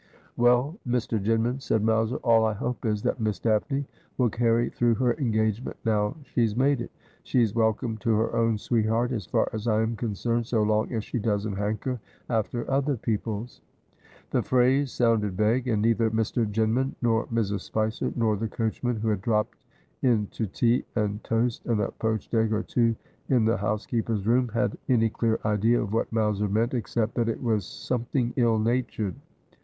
' Well, Mr. Jinman,' said Mowser, ' all I hope is, that Miss Daphne will carry through her engagement now s'ne's made it. She's welcome to her own sweetheart, as far as I am concerned, so long as she doesn't hanker after other people's.' The phrase sounded vague, and neither Mr. Jinman, nor Mrs. Spicer, nor the coachman (who had dropped in to tea and toast and a poached egg or two in the housekeeper's room) had 254 Asphodel, any clear idea of what Mowser meant, except that it was some thing ill natured.